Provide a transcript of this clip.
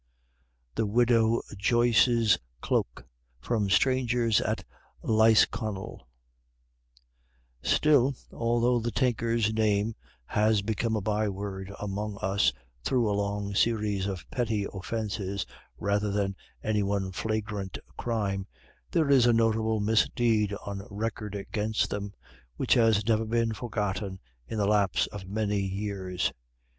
THE WIDOW JOYCE'S CLOAK From 'Strangers at Lisconnel' Still, although the Tinkers' name has become a byword among us through a long series of petty offenses rather than any one flagrant crime, there is a notable misdeed on record against them, which has never been forgotten in the lapse of many years.